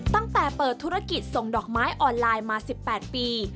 ตั้งแต่เปิดธุรกิจส่งดอกไม้ออนไลน์มา๑๘ปี